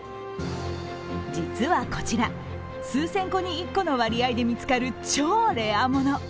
実はこちら、数千個に１個の割合で見つかる超レアもの。